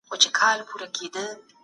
دوه - دوه رکعته نفل لمونځ دي وکړي.